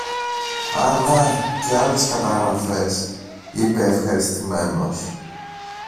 Α, να και άλλες καταγραφές, είπε ευχαριστημένος